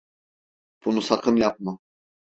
Bunu sakın yapma.